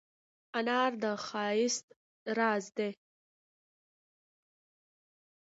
انار د ښایست راز دی.